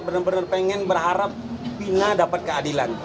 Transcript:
benar benar pengen berharap fina dapat keadilan